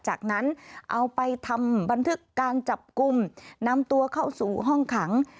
จากนั้นเอาไปทำบันทึกการจับกลุ่มนำตัวเข้าสู่ห้องขัง